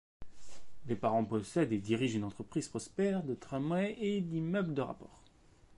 Les parents possèdent et dirigent une entreprise prospère de tramways et d'immeubles de rapport.